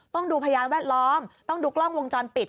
ต้องดูพยานแวดล้อมต้องดูกล้องวงจรปิด